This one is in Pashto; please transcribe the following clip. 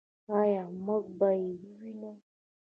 آیا موږ به یې ووینو؟